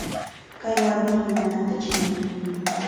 Kay warmimi nananta chiqnin.